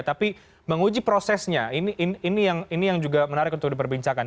tapi menguji prosesnya ini yang juga menarik untuk diperbincangkan